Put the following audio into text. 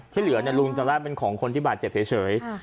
ที่เหลือลุงตอนแรกเป็นของคนที่บาดเจ็บเฉย